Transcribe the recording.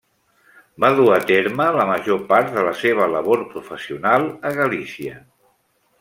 Va dur a terme la major part de la seva labor professional a Galícia.